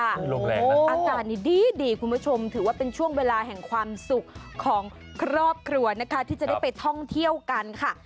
คือลมแรงนะอาการนี้ดีคุณผู้ชมถือว่าเป็นช่วงเวลาแห่งความสุขของครอบครัวนะคะที่จะได้ไปท่องเที่ยวกันค่ะ